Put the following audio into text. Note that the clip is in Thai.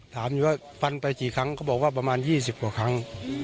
ถามอยู่ว่าฟันไปกี่ครั้งเขาบอกว่าประมาณ๒๐กว่าครั้ง